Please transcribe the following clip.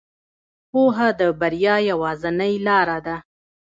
پوهه د بریا یوازینۍ لاره ده.